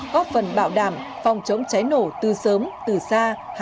có phần bảo đảm phòng chống cháy nổ từ sớm từ xa hạn chế thiệt hại